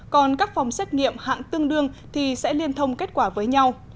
còn các phòng xét nghiệm hạng tương đương thì sẽ liên thông kết quả với nhau